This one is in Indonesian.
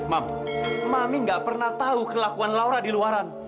mam mami gak pernah tahu kelakuan laura di luaran